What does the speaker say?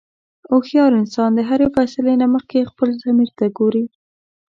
هوښیار انسان د هرې فیصلې نه مخکې خپل ضمیر ته ګوري.